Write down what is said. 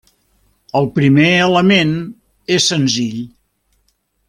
El primer element és senzill.